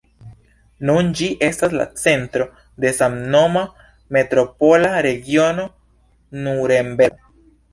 Nun ĝi estas la centro de samnoma Metropola regiono Nurenbergo.